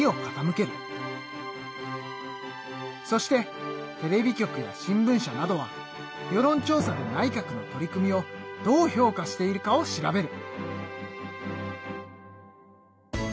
そしてテレビ局や新聞社などは世論調査で内閣の取り組みをどう評価しているかを調べる。